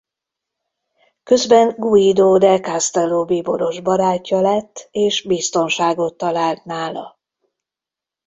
Közben Guido de Castello bíboros barátja lett és biztonságot talált nála.